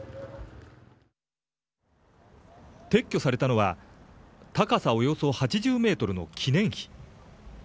撤去されたのは高さおよそ８０メートルの記念碑。